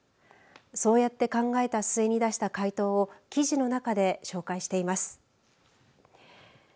そうやって考えた末に出した回答を記事の中で紹介しています。